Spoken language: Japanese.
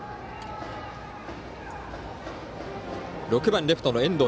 ６番レフトの遠藤。